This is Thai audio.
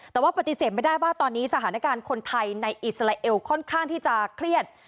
แต่ว่าปฏิเสธไม่ได้ว่าตอนนี้สถานการณ์คนไทยในอิสราเอลค่อนข้างที่จะเครียด